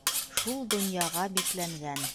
Шул донъяға бикләнгән.